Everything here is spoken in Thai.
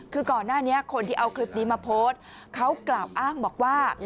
คือก่อนหน้านี้คนที่เอาคลิปนี้มาโพสต์เขากล่าวอ้างบอกว่า